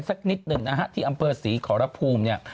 สักนิดหนึ่งนะฮะที่อำเภอศรีขอรภูมิเนี่ย